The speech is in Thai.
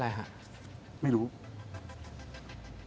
กัญชัยแปลว่าอะไร